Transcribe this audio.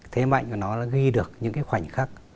thế mạnh của nó là ghi được những khoảnh khắc